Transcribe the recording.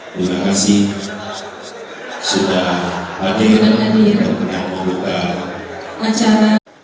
terima kasih sudah hadir dan pernah membuka acara